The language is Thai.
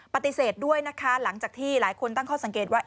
ปฏิเสธด้วยนะคะหลังจากที่หลายคนตั้งข้อสังเกตว่า